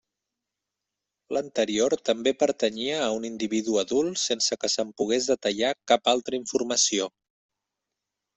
L'anterior també pertanyia a un individu adult sense que se'n pogués detallar cap altra informació.